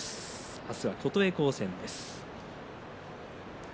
明日は琴恵光戦です。